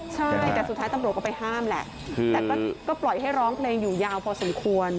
ใช่แต่สุดท้ายตำรวจก็ไปห้ามแหละแต่ก็ปล่อยให้ร้องเพลงอยู่ยาวพอสมควร